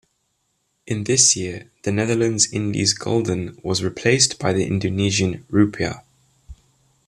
In this year the Netherlands Indies gulden was replaced by the Indonesian rupiah.